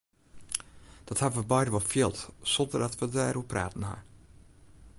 Dat ha we beide wol field sonder dat we dêroer praten ha.